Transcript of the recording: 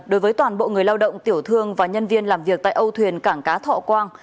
đối với toàn bộ người lao động tiểu thương và nhân viên làm việc tại âu thuyền cảng cá thọ quang